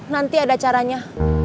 nanti ada caranya